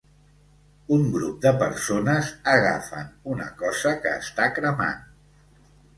Un grup de persones agafen una cosa que està cremant.